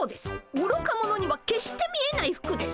おろか者には決して見えない服です。